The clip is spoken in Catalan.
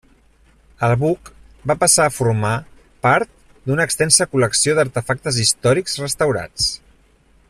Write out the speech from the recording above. El buc va passar a formar part d'una extensa col·lecció d'artefactes històrics restaurats.